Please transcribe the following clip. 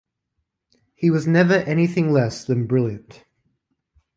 He was never anything less than brilliant.